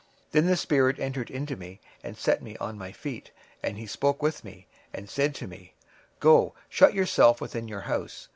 26:003:024 Then the spirit entered into me, and set me upon my feet, and spake with me, and said unto me, Go, shut thyself within thine house.